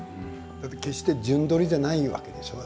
決して順撮りじゃないわけでしょう？